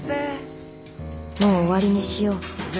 もう終わりにしよう。